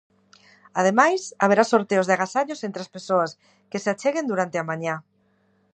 Ademais, haberá sorteos de agasallos entre as persoas que se acheguen durante a mañá.